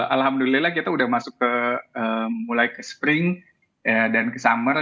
alhamdulillah kita udah masuk ke mulai ke spring dan ke summer